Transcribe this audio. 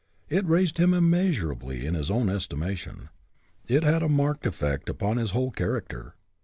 It raised him immeasurably in his own estima tion. It had a marked effect upon his whole character.